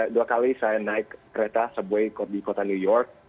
dua kali saya naik kereta subway di kota new york